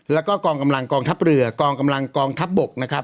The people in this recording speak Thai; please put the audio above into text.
แล้วก็กองกำลังกองทัพเรือกองกำลังกองทัพบกนะครับ